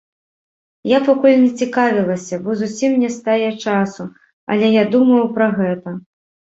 Я пакуль не цікавілася, бо зусім не стае часу, але я думаю пра гэта.